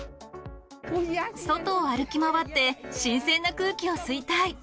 外を歩き回って、新鮮な空気を吸いたい。